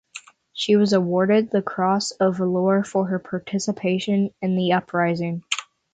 She was awarded the Cross of Valour for her participation in the Uprising.